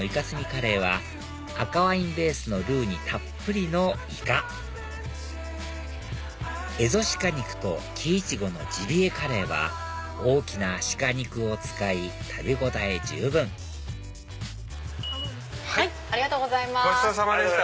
カレーは赤ワインベースのルーにたっぷりのイカエゾ鹿肉と木イチゴのジビエカレーは大きな鹿肉を使い食べ応え十分ありがとうございます。